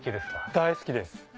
大好きです。